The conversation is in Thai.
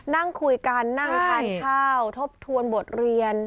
นั่งคุยกันนั่งทานข้าวทบทวนบทเรียน